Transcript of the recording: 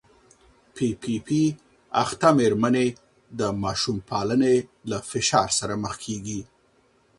پي پي پي اخته مېرمنې د ماشوم پالنې له فشار سره مخ کېږي.